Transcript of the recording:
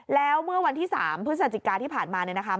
แล้วเมื่อวันที่๓พฤศจิกาที่ผ่านมาเนี่ยนะคะ